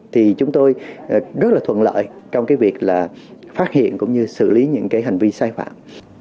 thì chúng tôi rất là thuận lợi trong việc phát hiện cũng như xử lý những hành vi sai phạm